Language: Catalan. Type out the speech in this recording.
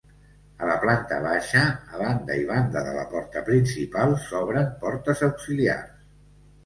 A la planta baixa, a banda i banda de la porta principal, s'obren portes auxiliars.